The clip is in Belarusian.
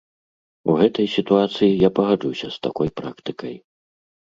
У гэтай сітуацыі я пагаджуся з такой практыкай.